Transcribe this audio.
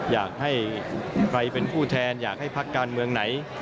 อยากให้ใครเป็นผู้แทนอยากให้พักการเมืองไหน